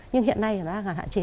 nhưng hiện nay nó đang còn hạn chế